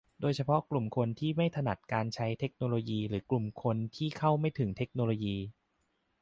โดยเฉพาะกลุ่มคนที่ไม่ถนัดการใช้เทคโนโลยี หรือ กลุ่มคนที่เข้าไม่ถึงเทคโนโลยี